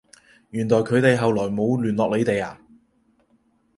原來佢哋後來冇聯絡你哋呀？